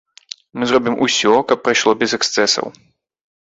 Мы зробім усё, каб прайшло без эксцэсаў.